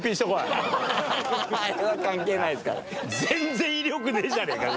全然威力ねえじゃねぇか